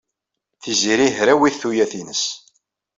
Tiziri hrawit tuyat-nnes.